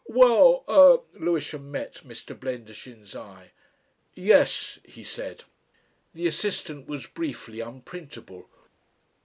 "Well er." Lewisham met Mr. Blendershin's eye. "Yes," he said. The assistant was briefly unprintable.